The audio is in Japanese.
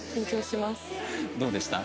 どうでした？